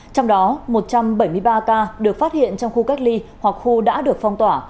trong đó một trăm bảy mươi ba ca được phát hiện trong khu cách ly hoặc khu đã được phong tỏa